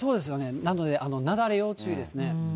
なので、雪崩要注意ですね。